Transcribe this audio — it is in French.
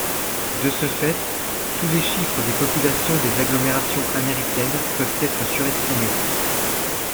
De ce fait tous les chiffres des populations des agglomérations américaines peuvent être surestimés.